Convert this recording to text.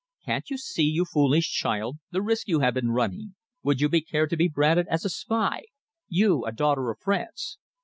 Can't you see, you foolish child, the risk you have been running? Would you care to be branded as a spy? you, a daughter of France?"